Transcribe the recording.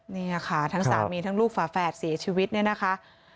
นี่ค่ะทั้งสามีทั้งลูกฝาแฝดเสียชีวิตเนี่ยนะคะ